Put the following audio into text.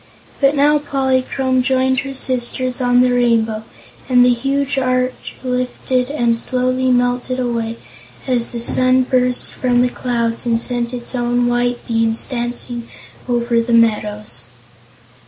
But now Polychrome joined her sisters on the Rainbow and the huge arch lifted and slowly melted away as the sun burst from the clouds and sent its own white beams dancing over the meadows.